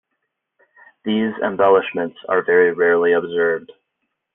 These embellishments are very rarely observed.